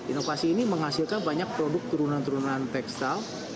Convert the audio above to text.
inovasi ini menghasilkan banyak produk turunan turunan tekstil